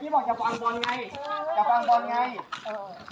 มันจะได้จบมันจะได้จบ